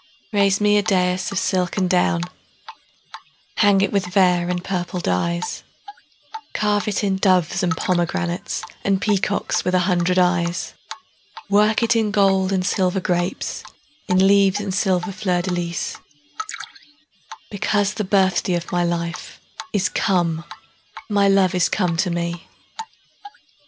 Raise me a daïs of silk and down; Hang it with vair and purple dyes; 10 Carve it in doves and pomegranates, And peacocks with a hundred eyes; Work it in gold and silver grapes, In leaves and silver fleurs de lys; Because the birthday of my life 15 Is come, my love is come to me.